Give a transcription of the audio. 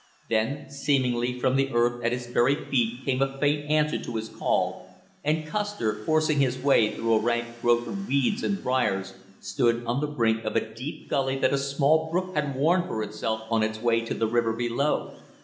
Then seemingly from the earth at his very feet came a faint answer to his call, and Custer, forcing his way through a rank growth of weeds and briers, stood on the brink of a deep gully that a small brook had worn for itself on its way to the river below.